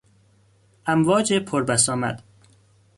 امواج پر بسامد